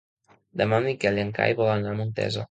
Demà en Miquel i en Cai volen anar a Montesa.